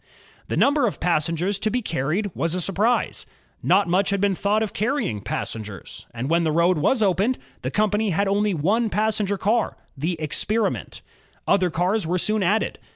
The number of passengers to be carried was a surprise. ' Not much had been thought of carrying passengers, and when the road was opened the company had only one passenger car, the Experiment, Other cars were soon added.